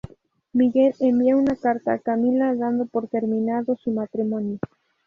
Miguel envía una carta a Camila dando por terminado su Matrimonio.